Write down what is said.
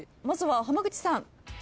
まずは浜口さん。